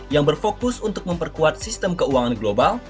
yang berfokus untuk memperkuat sistem keuangan global